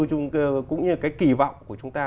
cũng như cái kỳ vọng của chúng ta